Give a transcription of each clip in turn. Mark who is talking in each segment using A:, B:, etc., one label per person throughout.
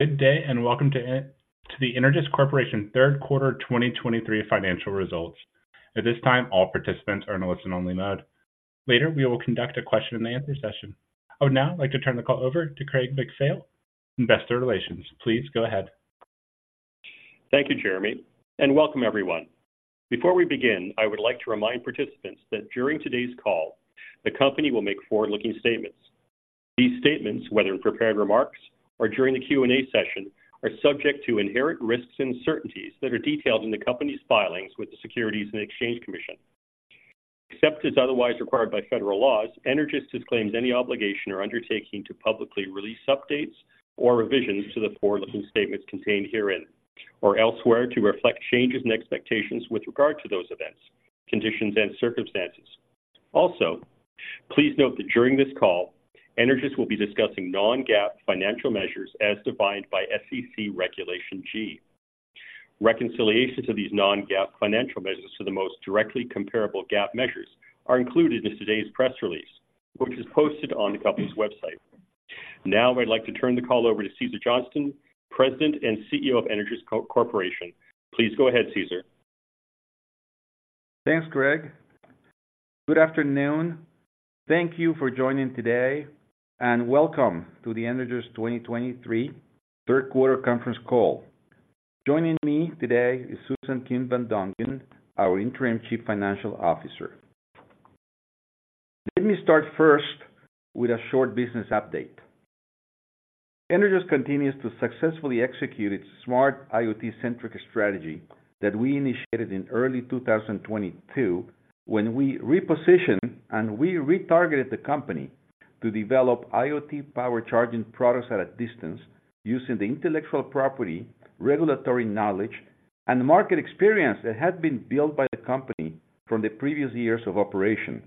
A: Good day, and welcome to the Energous Corporation third quarter 2023 financial results. At this time, all participants are in a listen only mode. Later, we will conduct a question and answer session. I would now like to turn the call over to Craig MacPhail, Investor Relations. Please go ahead.
B: Thank you, Jeremy, and welcome everyone. Before we begin, I would like to remind participants that during today's call, the company will make forward-looking statements. These statements, whether in prepared remarks or during the Q&A session, are subject to inherent risks and uncertainties that are detailed in the company's filings with the Securities and Exchange Commission. Except as otherwise required by federal laws, Energous disclaims any obligation or undertaking to publicly release updates or revisions to the forward-looking statements contained herein or elsewhere to reflect changes in expectations with regard to those events, conditions, and circumstances. Also, please note that during this call, Energous will be discussing non-GAAP financial measures as defined by SEC Regulation G. Reconciliations of these non-GAAP financial measures to the most directly comparable GAAP measures are included in today's press release, which is posted on the company's website. Now, I'd like to turn the call over to Cesar Johnston, President and CEO of Energous Corporation. Please go ahead, Cesar.
C: Thanks, Craig. Good afternoon, thank you for joining today, and welcome to the Energous 2023 third quarter conference call. Joining me today is Susan Kim-van Dongen, our interim Chief Financial Officer. Let me start first with a short business update. Energous continues to successfully execute its smart IoT-centric strategy that we initiated in early 2022, when we repositioned and we retargeted the company to develop IoT power charging products at a distance using the intellectual property, regulatory knowledge, and market experience that had been built by the company from the previous years of operation,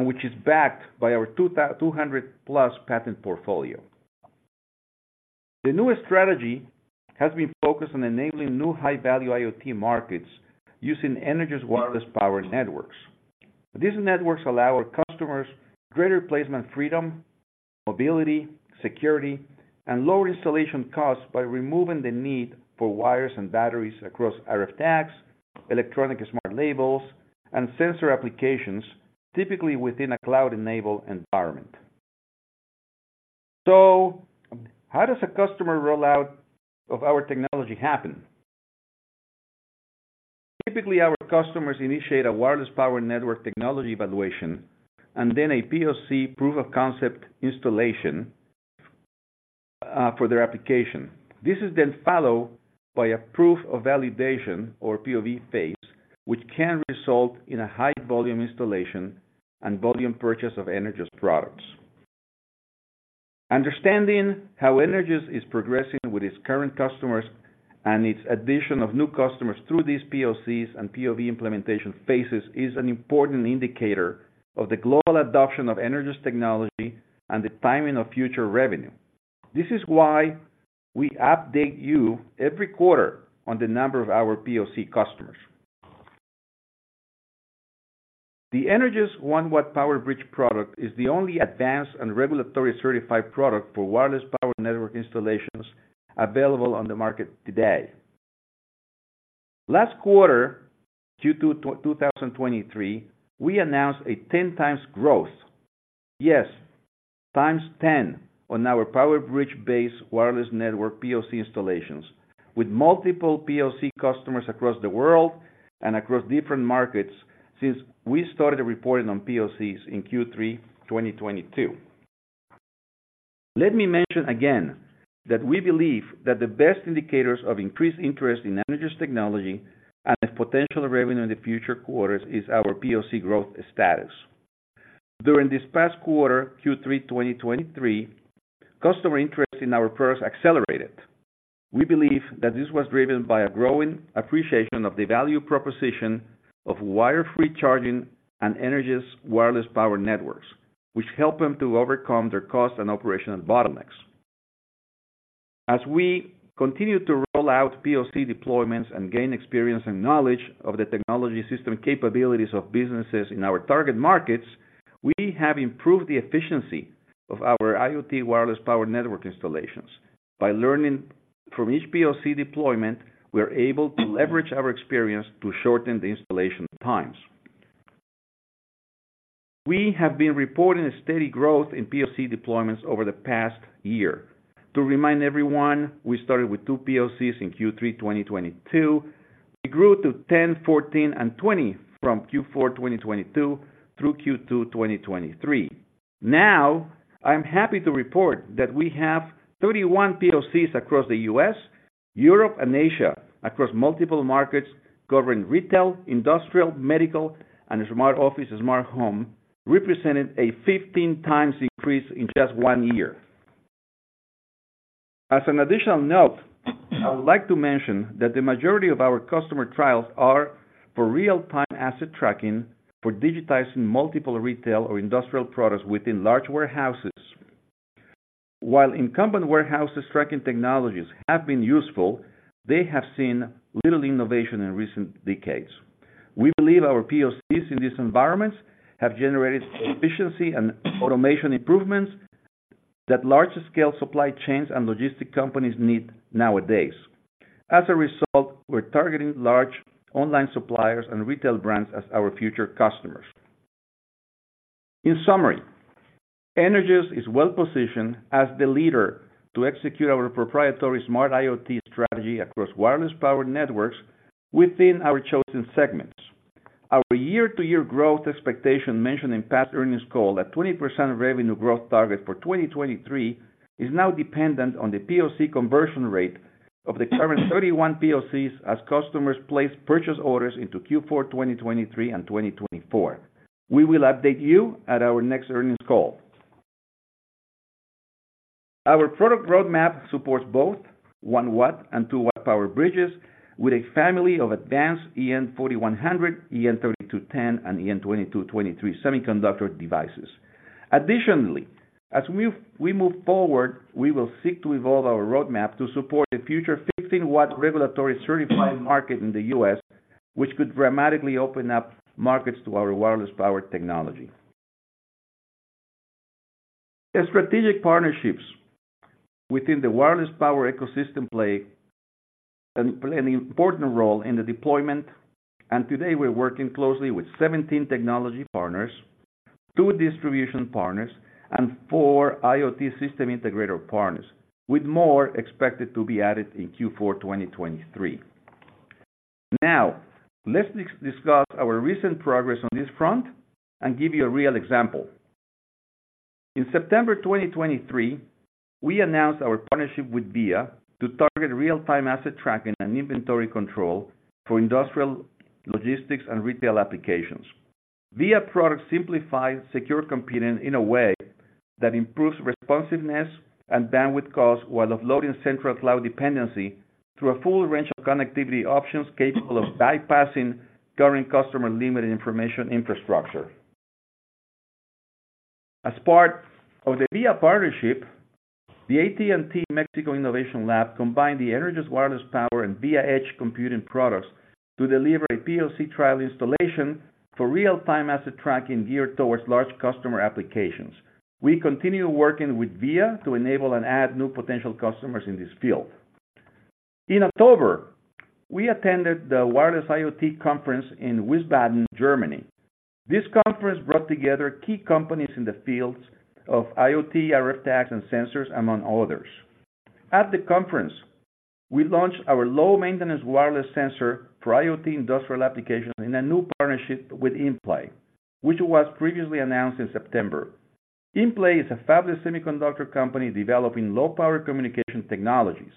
C: which is backed by our 200+ patent portfolio. The newest strategy has been focused on enabling new high-value IoT markets using Energous Wireless Power Networks. These networks allow our customers greater placement freedom, mobility, security, and lower installation costs by removing the need for wires and batteries across RF tags, electronic smart labels, and sensor applications, typically within a cloud-enabled environment. So how does a customer rollout of our technology happen? Typically, our customers initiate a wireless power network technology evaluation and then a POC, proof of concept installation, for their application. This is then followed by a proof of validation, or POV phase, which can result in a high volume installation and volume purchase of Energous products. Understanding how Energous is progressing with its current customers and its addition of new customers through these POCs and POV implementation phases is an important indicator of the global adoption of Energous technology and the timing of future revenue. This is why we update you every quarter on the number of our POC customers. The Energous 1W PowerBridge product is the only advanced and regulatory certified product for wireless power network installations available on the market today. Last quarter, Q2 2023, we announced a 10x growth. Yes, 10x on our PowerBridge-based wireless network POC installations, with multiple POC customers across the world and across different markets since we started reporting on POCs in Q3 2022. Let me mention again that we believe that the best indicators of increased interest in Energous technology and potential revenue in the future quarters is our POC growth status. During this past quarter, Q3 2023, customer interest in our products accelerated. We believe that this was driven by a growing appreciation of the value proposition of wire-free charging and Energous Wireless Power Networks, which help them to overcome their costs and operational bottlenecks. As we continue to roll out POC deployments and gain experience and knowledge of the technology system capabilities of businesses in our target markets, we have improved the efficiency of our IoT wireless power network installations. By learning from each POC deployment, we are able to leverage our experience to shorten the installation times. We have been reporting a steady growth in POC deployments over the past year. To remind everyone, we started with 2 POCs in Q3 2022. We grew to 10, 14, and 20 from Q4 2022 through Q2 2023. Now, I'm happy to report that we have 31 POCs across the US, Europe, and Asia, across multiple markets covering retail, industrial, medical, and smart office, smart home, representing a 15x increase in just one year. As an additional note, I would like to mention that the majority of our customer trials are for real-time asset tracking, for digitizing multiple retail or industrial products within large warehouses. While incumbent warehouse tracking technologies have been useful, they have seen little innovation in recent decades. We believe our POCs in these environments have generated efficiency and automation improvements that larger scale supply chains and logistic companies need nowadays. As a result, we're targeting large online suppliers and retail brands as our future customers. In summary, Energous is well-positioned as the leader to execute our proprietary smart IoT strategy across wireless power networks within our chosen segments. Our year-to-year growth expectation mentioned in past earnings call, at 20% revenue growth target for 2023, is now dependent on the POC conversion rate of the current 31 POCs as customers place purchase orders into Q4 2023 and 2024. We will update you at our next earnings call. Our product roadmap supports both 1W and 2W PowerBridge with a family of advanced EN4100, EN3210, and EN2223 semiconductor devices. Additionally, as we move forward, we will seek to evolve our roadmap to support a future 15W regulatory certified market in the U.S., which could dramatically open up markets to our wireless power technology. The strategic partnerships within the wireless power ecosystem play an important role in the deployment, and today we're working closely with 17 technology partners, 2 distribution partners, and 4 IoT system integrator partners, with more expected to be added in Q4 2023. Now, let's discuss our recent progress on this front and give you a real example. In September 2023, we announced our partnership with Veea to target real-time asset tracking and inventory control for industrial, logistics, and retail applications. Veea product simplifies secure computing in a way that improves responsiveness and bandwidth costs, while offloading central cloud dependency through a full range of connectivity options capable of bypassing current customer limited information infrastructure. As part of the Veea partnership, the AT&T Mexico Innovation Lab combined the Energous Wireless Power and Veea Edge computing products to deliver a POC trial installation for real-time asset tracking geared toward large customer applications. We continue working with Veea to enable and add new potential customers in this field. In October, we attended the Wireless IoT Conference in Wiesbaden, Germany. This conference brought together key companies in the fields of IoT, RF tags, and sensors, among others. At the conference, we launched our low-maintenance wireless sensor for IoT industrial applications in a new partnership with InPlay, which was previously announced in September. InPlay is a fabless semiconductor company developing low-power communication technologies.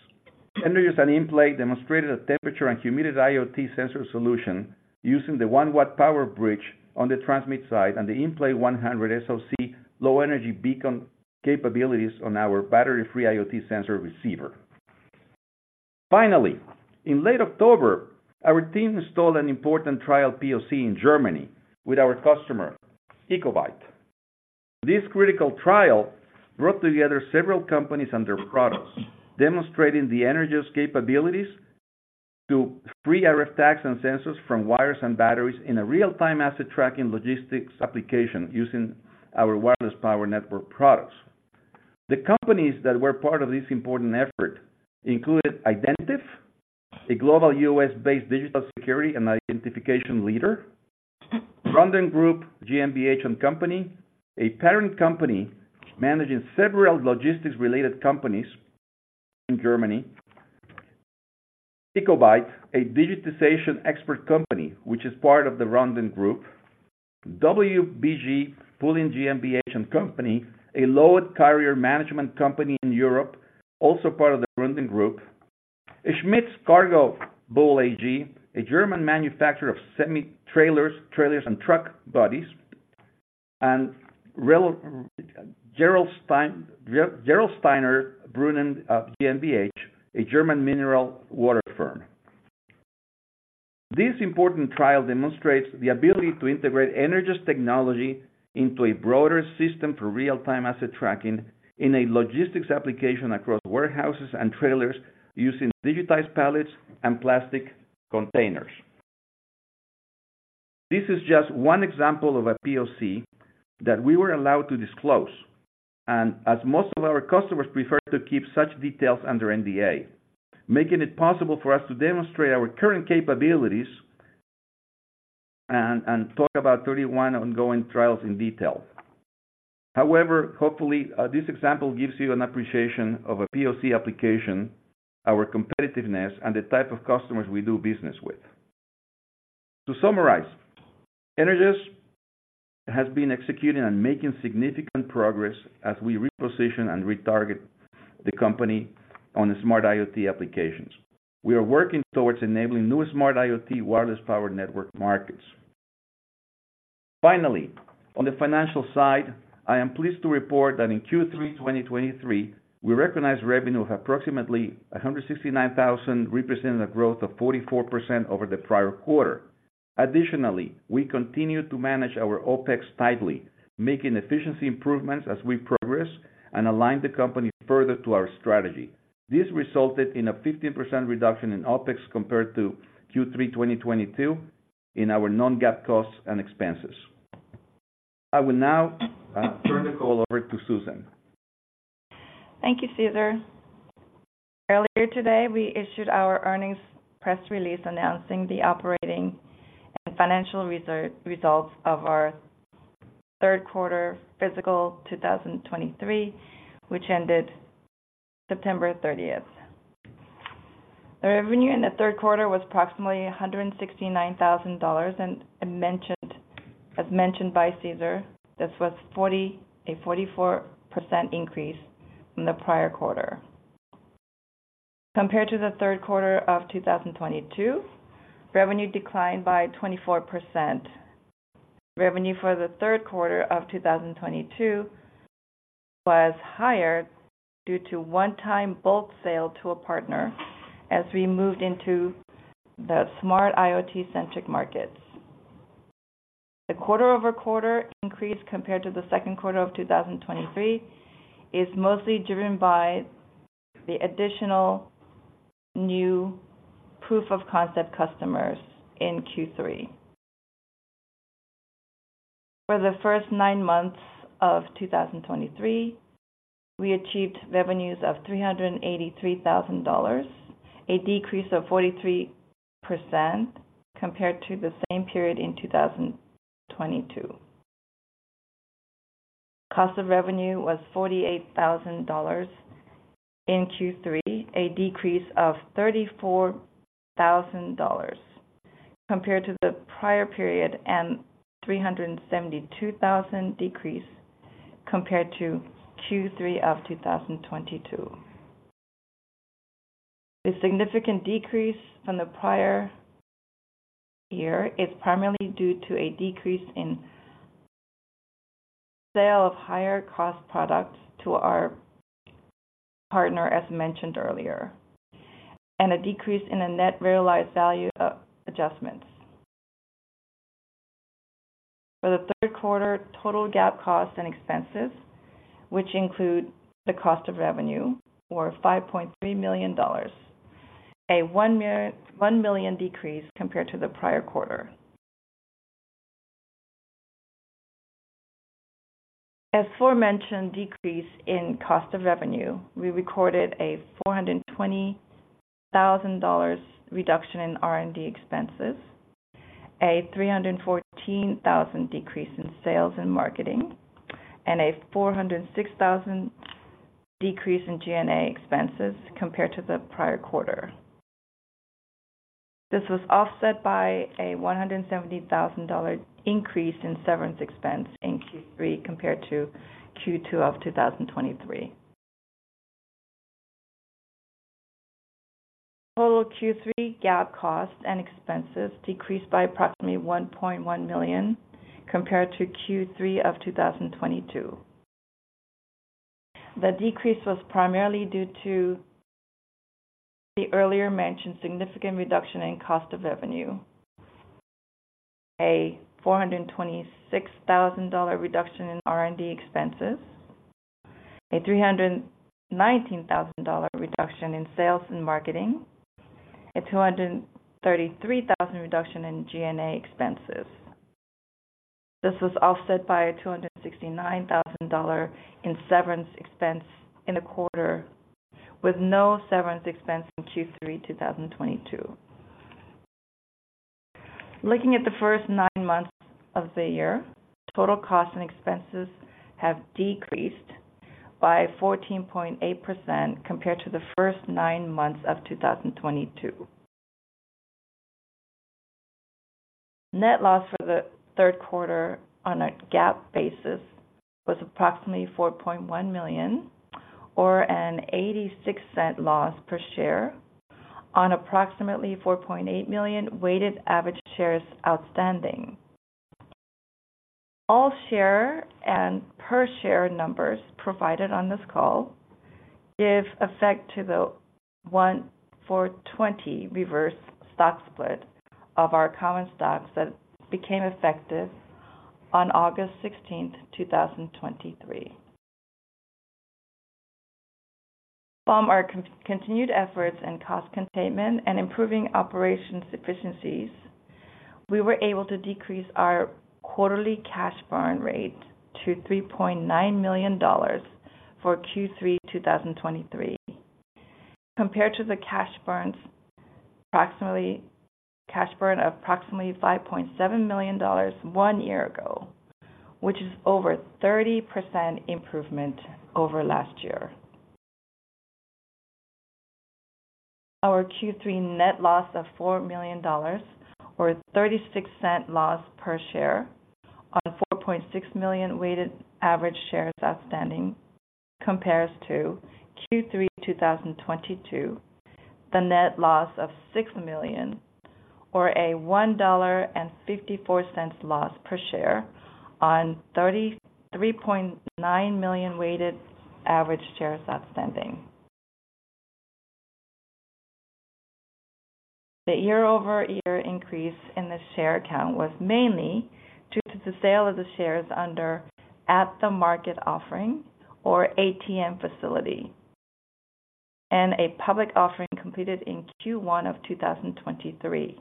C: Energous and InPlay demonstrated a temperature and humidity IoT sensor solution using the 1W PowerBridge on the transmit side and the InPlay IN100 SoC low-energy beacon capabilities on our battery-free IoT sensor receiver. Finally, in late October, our team installed an important trial POC in Germany with our customer, ecobyte. This critical trial brought together several companies and their products, demonstrating the Energous capabilities to free RF tags and sensors from wires and batteries in a real-time asset tracking logistics application using our wireless power network products. The companies that were part of this important effort included Identiv, a global US-based digital security and identification leader, Runden Group GmbH & Co., a parent company managing several logistics-related companies in Germany. ecobyte, a digitization expert company, which is part of the Runden Group. WBG-Pooling GmbH & Co., a load carrier management company in Europe, also part of the Runden Group. Schmitz Cargobull AG, a German manufacturer of semi-trailers, trailers, and truck bodies, and Gerolsteiner Brunnen GmbH, a German mineral water firm. This important trial demonstrates the ability to integrate Energous technology into a broader system for real-time asset tracking in a logistics application across warehouses and trailers using digitized pallets and plastic containers. This is just one example of a POC that we were allowed to disclose, and as most of our customers prefer to keep such details under NDA, making it possible for us to demonstrate our current capabilities and talk about 31 ongoing trials in detail. However, hopefully, this example gives you an appreciation of a POC application, our competitiveness, and the type of customers we do business with. To summarize, Energous has been executing and making significant progress as we reposition and retarget the company on the smart IoT applications. We are working towards enabling new smart IoT wireless power network markets. Finally, on the financial side, I am pleased to report that in Q3 2023, we recognized revenue of approximately $169,000, representing a growth of 44% over the prior quarter. Additionally, we continue to manage our OpEx tightly, making efficiency improvements as we progress and align the company further to our strategy. This resulted in a 15% reduction in OpEx compared to Q3 2022, in our non-GAAP costs and expenses. I will now turn the call over to Susan.
D: Thank you, Cesar. Earlier today, we issued our earnings press release announcing the operating and financial results of our third quarter fiscal 2023, which ended September thirtieth. The revenue in the third quarter was approximately $169,000, and as mentioned, as mentioned by Cesar, this was a 44% increase from the prior quarter. Compared to the third quarter of 2022, revenue declined by 24%. Revenue for the third quarter of 2022 was higher due to one-time bulk sale to a partner as we moved into the smart IoT-centric markets. The quarter-over-quarter increase compared to the second quarter of 2023 is mostly driven by the additional new proof of concept customers in Q3. For the first nine months of 2023, we achieved revenues of $383,000, a decrease of 43% compared to the same period in 2022. Cost of revenue was $48,000 in Q3, a decrease of $34,000 compared to the prior period, and $372,000 decrease compared to Q3 of 2022. The significant decrease from the prior year is primarily due to a decrease in sale of higher cost products to our partner, as mentioned earlier, and a decrease in the net realized value of adjustments. For the third quarter, total GAAP costs and expenses, which include the cost of revenue, were $5.3 million, a $1 million decrease compared to the prior quarter. As aforementioned, decrease in cost of revenue, we recorded a $420,000 reduction in R&D expenses, a $314,000 decrease in sales and marketing, and a $406,000 decrease in G&A expenses compared to the prior quarter. This was offset by a $170,000 increase in severance expense in Q3 compared to Q2 of 2023. Total Q3 GAAP costs and expenses decreased by approximately $1.1 million compared to Q3 of 2022. The decrease was primarily due to the earlier mentioned significant reduction in cost of revenue, a $426,000 reduction in R&D expenses, a $319,000 reduction in sales and marketing, a $233,000 reduction in G&A expenses. This was offset by $269,000 in severance expense in the quarter, with no severance expense in Q3 2022. Looking at the first nine months of the year, total costs and expenses have decreased by 14.8% compared to the first nine months of 2022. Net loss for the third quarter on a GAAP basis was approximately $4.1 million, or an $0.86 loss per share on approximately 4.8 million weighted average shares outstanding. All share and per share numbers provided on this call give effect to the 1-for-20 reverse stock split of our common stocks that became effective on August 16, 2023. From our continued efforts in cost containment and improving operation efficiencies, we were able to decrease our quarterly cash burn rate to $3.9 million for Q3 2023, compared to the cash burn of approximately $5.7 million one year ago, which is over 30% improvement over last year. Our Q3 net loss of $4 million, or $0.36 loss per share on 4.6 million weighted average shares outstanding, compares to Q3 2022, the net loss of $6 million, or a $1.54 loss per share on 33.9 million weighted average shares outstanding. The year-over-year increase in the share count was mainly due to the sale of the shares under at-the-market offering or ATM facility... and a public offering completed in Q1 of 2023.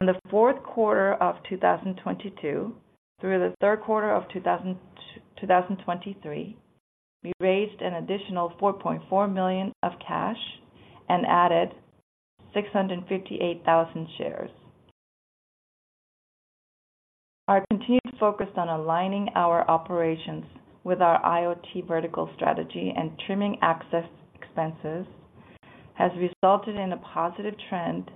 D: In the fourth quarter of 2022, through the third quarter of 2023, we raised an additional $4.4 million of cash and added 658,000 shares. Our continued focus on aligning our operations with our IoT vertical strategy and trimming excess expenses has resulted in a positive trend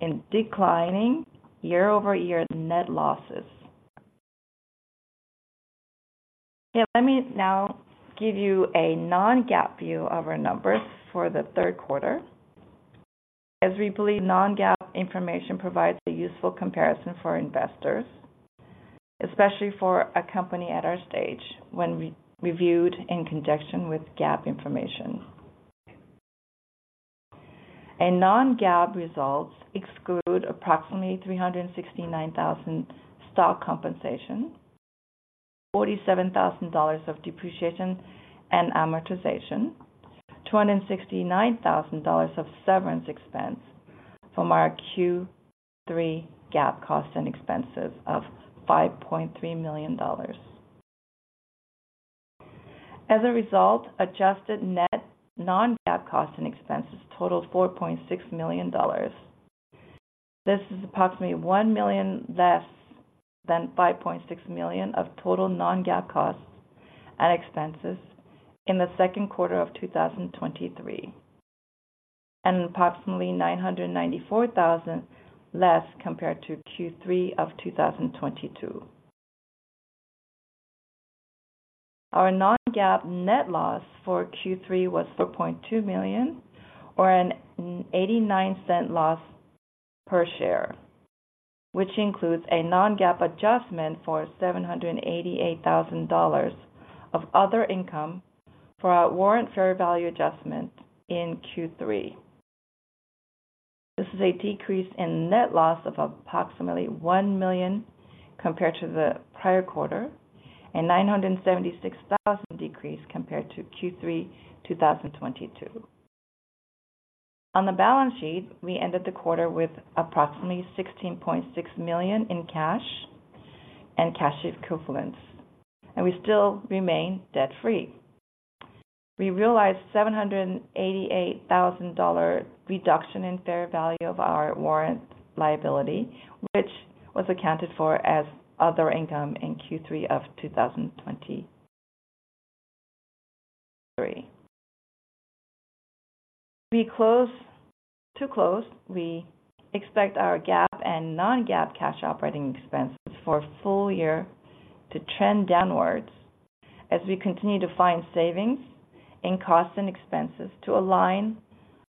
D: in declining year-over-year net losses. Let me now give you a non-GAAP view of our numbers for the third quarter, as we believe non-GAAP information provides a useful comparison for investors, especially for a company at our stage, when reviewed in conjunction with GAAP information. Non-GAAP results exclude approximately $369,000 stock compensation, $47,000 of depreciation and amortization, $269,000 of severance expense from our Q3 GAAP costs and expenses of $5.3 million. As a result, adjusted net non-GAAP costs and expenses totaled $4.6 million. This is approximately $1 million less than $5.6 million of total non-GAAP costs and expenses in the second quarter of 2023, and approximately $994,000 less compared to Q3 of 2022. Our non-GAAP net loss for Q3 was $4.2 million, or an $0.89 loss per share, which includes a non-GAAP adjustment for $788,000 of other income for our warrant fair value adjustment in Q3. This is a decrease in net loss of approximately $1 million compared to the prior quarter, and $976,000 decrease compared to Q3, 2022. On the balance sheet, we ended the quarter with approximately $16.6 million in cash and cash equivalents, and we still remain debt-free. We realized $788,000 reduction in fair value of our warrant liability, which was accounted for as other income in Q3 of 2023. To close, we expect our GAAP and non-GAAP cash operating expenses for full year to trend downwards as we continue to find savings in costs and expenses to align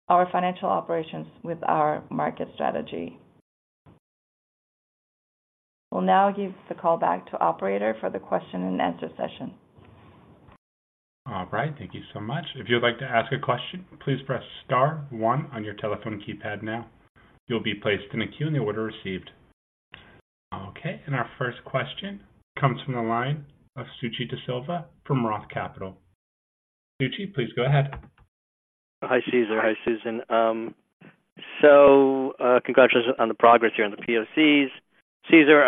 D: our financial operations with our market strategy. We'll now give the call back to Operator for the question and answer session.
A: All right. Thank you so much. If you'd like to ask a question, please press star one on your telephone keypad now. You'll be placed in a queue in the order received. Okay, our first question comes from the line of Suji Desilva from Roth Capital. Suji, please go ahead.
E: Hi, Cesar. Hi, Susan. So, congratulations on the progress here on the POCs. Cesar,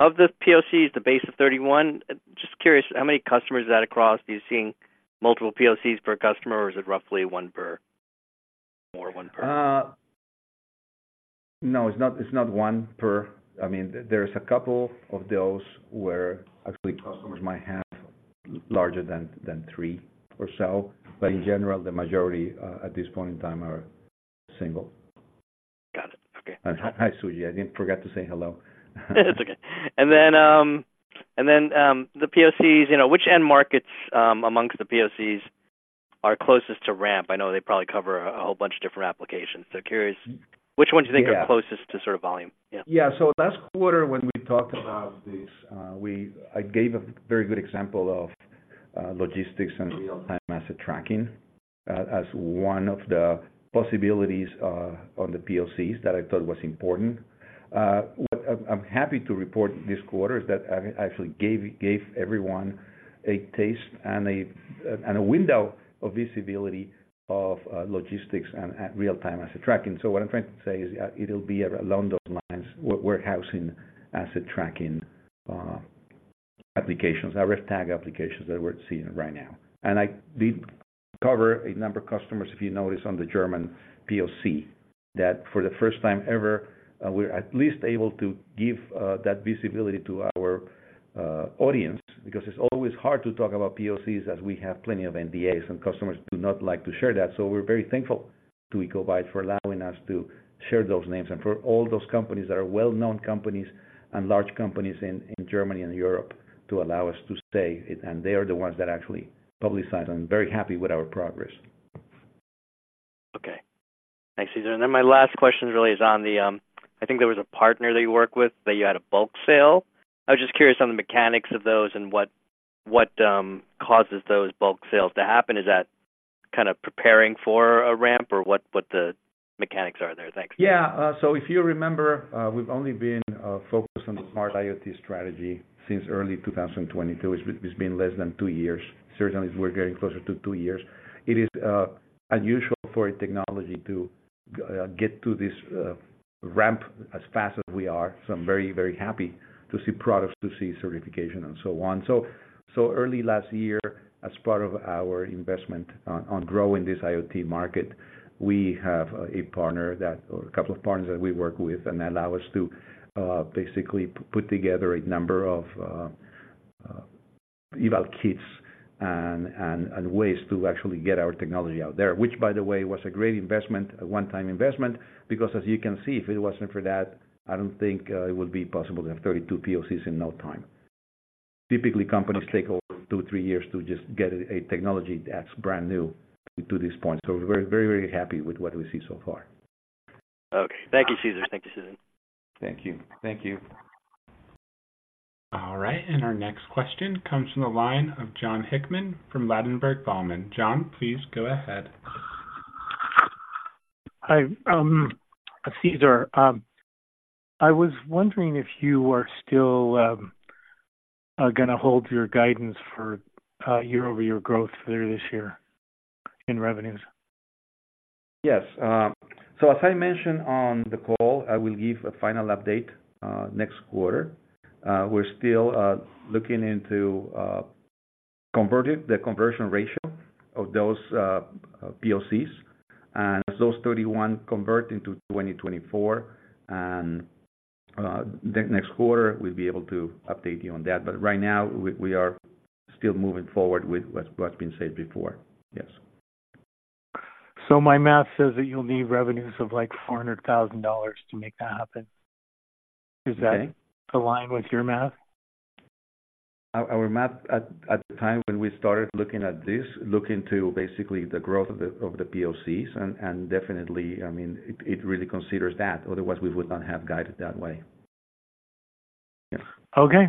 E: of the POCs, the base of 31, just curious, how many customers is that across? Are you seeing multiple POCs per customer, or is it roughly one per, or one per?
C: No, it's not, it's not one per. I mean, there's a couple of those where actually customers might have larger than three or so, but in general, the majority at this point in time are single.
E: Got it. Okay.
C: Hi, Suji. I didn't forget to say hello.
E: It's okay. And then, the POCs, you know, which end markets among the POCs are closest to ramp? I know they probably cover a whole bunch of different applications. So curious, which ones you think-
C: Yeah...
E: are closest to sort of volume? Yeah.
C: Yeah. So last quarter, when we talked about this, I gave a very good example of logistics and real-time asset tracking as one of the possibilities on the POCs that I thought was important. What I'm happy to report this quarter is that I actually gave everyone a taste and a window of visibility of logistics and real-time asset tracking. So what I'm trying to say is, it'll be along those lines, warehousing asset tracking applications, RF tag applications that we're seeing right now. I did cover a number of customers, if you notice, on the German POC, that for the first time ever, we're at least able to give that visibility to our audience, because it's always hard to talk about POCs as we have plenty of NDAs, and customers do not like to share that. So we're very thankful to ecobyte for allowing us to share those names, and for all those companies that are well-known companies and large companies in Germany and Europe, to allow us to say, and they are the ones that actually publicize. I'm very happy with our progress.
E: Okay. Thanks, Cesar. Then my last question really is on the... I think there was a partner that you work with, that you had a bulk sale. I was just curious on the mechanics of those and what, what, causes those bulk sales to happen. Is that kind of preparing for a ramp or what, what the mechanics are in there? Thanks.
C: Yeah, so if you remember, we've only been focused on the smart IoT strategy since early 2022. It's been less than two years. Certainly, we're getting closer to two years. It is unusual for a technology to get to this ramp as fast as we are. So I'm very, very happy to see products, to see certification and so on. So early last year, as part of our investment on growing this IoT market, we have a partner, or a couple of partners that we work with and allow us to basically put together a number of eval kits and ways to actually get our technology out there. Which, by the way, was a great investment, a one-time investment, because as you can see, if it wasn't for that, I don't think it would be possible to have 32 POCs in no time. Typically, companies-
E: Okay...
C: take over 2-3 years to just get a technology that's brand new to this point. So we're very, very happy with what we see so far.
E: Okay. Thank you, Cesar. Thank you, Susan.
C: Thank you. Thank you.
A: All right, and our next question comes from the line of Jon Hickman from Ladenburg Thalmann. John, please go ahead.
F: Hi, Cesar, I was wondering if you are still gonna hold your guidance for year-over-year growth through this year in revenues?
C: Yes. So as I mentioned on the call, I will give a final update next quarter. We're still looking into converting the conversion ratio of those POCs. And as those 31 convert into 2024, next quarter, we'll be able to update you on that. But right now, we are still moving forward with what's been said before. Yes.
F: My math says that you'll need revenues of, like, $400,000 to make that happen.
C: Okay.
F: Does that align with your math?
C: Our math at the time when we started looking at this to basically the growth of the POCs, and definitely, I mean, it really considers that. Otherwise, we would not have guided that way. Yeah.
F: Okay,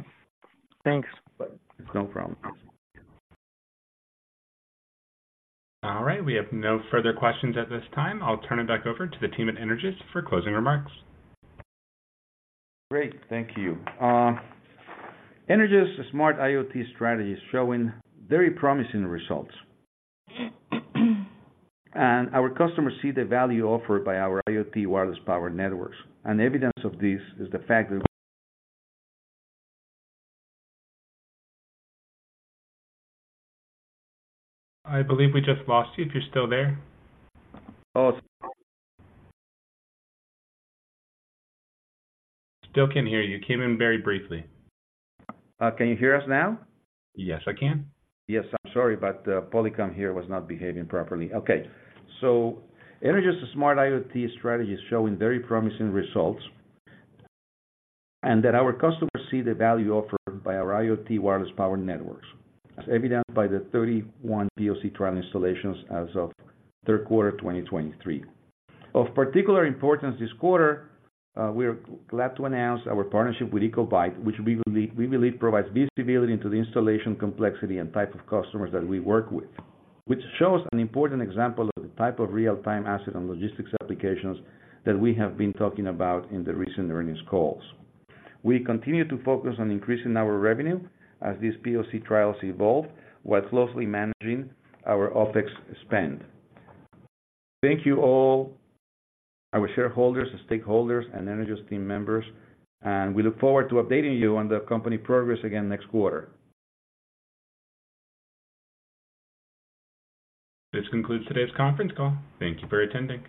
F: thanks.
C: It's no problem.
A: All right. We have no further questions at this time. I'll turn it back over to the team at Energous for closing remarks.
C: Great. Thank you. Energous' smart IoT strategy is showing very promising results. And our customers see the value offered by our IoT wireless power networks, and evidence of this is the fact that-
A: I believe we just lost you. If you're still there?
C: Oh.
A: Still can't hear you. You came in very briefly.
C: Can you hear us now?
A: Yes, I can.
C: Yes, I'm sorry, but Polycom here was not behaving properly. Okay, so Energous' smart IoT strategy is showing very promising results, and that our customers see the value offered by our IoT wireless power networks, as evidenced by the 31 POC trial installations as of third quarter, 2023. Of particular importance this quarter, we are glad to announce our partnership with ecobyte, which we believe, we believe provides visibility into the installation complexity and type of customers that we work with. Which shows an important example of the type of real-time asset and logistics applications that we have been talking about in the recent earnings calls. We continue to focus on increasing our revenue as these POC trials evolve, while closely managing our OpEx spend. Thank you, all, our shareholders, stakeholders, and Energous team members, and we look forward to updating you on the company progress again next quarter.
A: This concludes today's conference call. Thank you for attending.